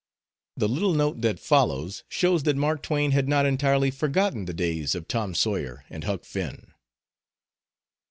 The little note that follows shows that Mark Twain had not entirely forgotten the days of Tom Sawyer and Huck Finn.